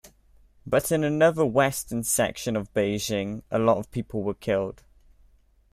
But in another western section of Beijing, a lot of people were killed.